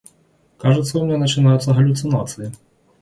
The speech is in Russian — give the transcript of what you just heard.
Кажется, у меня начинаются галлюцинации.